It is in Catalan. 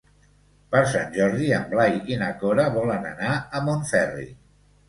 Per Sant Jordi en Blai i na Cora volen anar a Montferri.